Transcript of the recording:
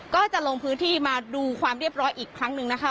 ก็จะลงพื้นที่มาดูความเรียบร้อยอีกครั้งหนึ่งนะคะ